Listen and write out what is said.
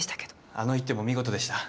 あの一手も見事でした。